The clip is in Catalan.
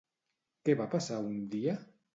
Què va passar un dia?